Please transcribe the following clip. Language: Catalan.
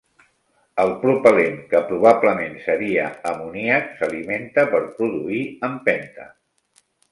El propel·lent, que probablement seria amoníac, s'alimenta per produir empenta.